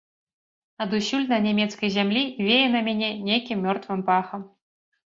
Адусюль на нямецкай зямлі вее на мяне нейкім мёртвым пахам.